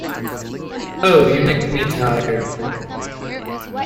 Oh, you make me tired.